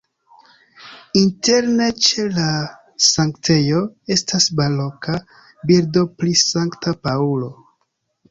Interne ĉe la sanktejo estas baroka bildo pri Sankta Paŭlo.